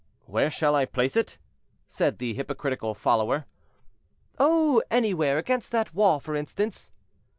"Where shall I place it?" said the hypocritical follower. "Oh, anywhere; against that wall, for instance."